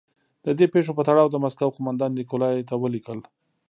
د دې پېښو په تړاو د مسکو قومندان نیکولای ته ولیکل.